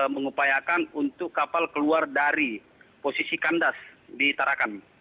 mengupayakan untuk kapal keluar dari posisi kandas di tarakan